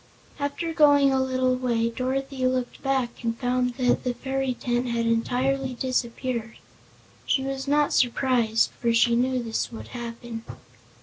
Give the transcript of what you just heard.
After going a little way Dorothy looked back and found that the fairy tent had entirely disappeared. She was not surprised, for she knew this would happen.